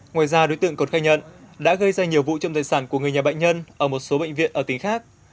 ngoài ra đối tượng còn khai nhận đã gây ra nhiều vụ trộm tài sản của người nhà bệnh nhân ở một số bệnh viện ở tỉnh khác